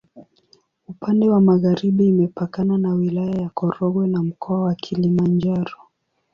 Upande wa magharibi imepakana na Wilaya ya Korogwe na Mkoa wa Kilimanjaro.